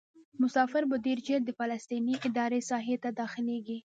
مسافر به ډېر ژر د فلسطیني ادارې ساحې ته داخلیږي.